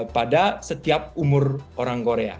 pada setiap umur orang korea